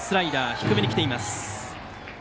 低めに来ています。